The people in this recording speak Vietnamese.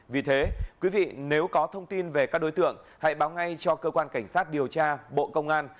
vì thế quý vị nếu có thông tin về các đối tượng hãy báo ngay cho cơ quan cảnh sát điều tra bộ công an